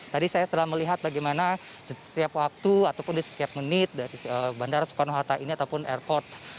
tadi saya telah melihat bagaimana setiap waktu ataupun di setiap menit dari bandara soekarno hatta ini ataupun airport